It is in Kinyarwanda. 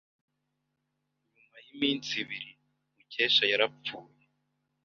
Nyuma y'iminsi ibiri, Mukesha yarapfuye.